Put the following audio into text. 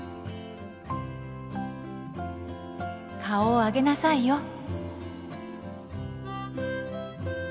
顔を上げなさいよ